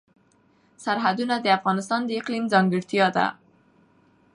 سرحدونه د افغانستان د اقلیم ځانګړتیا ده.